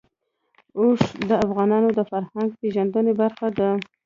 اوښ د افغانانو د فرهنګي پیژندنې برخه ده.